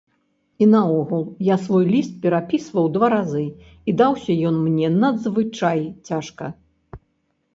І наогул, я свой ліст перапісваў два разы і даўся ён мне надзвычай цяжка.